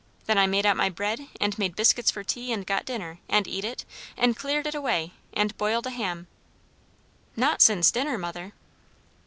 Then I made out my bread, and made biscuits for tea, and got dinner, and eat it, and cleared it away, and boiled a ham." "Not since dinner, mother?"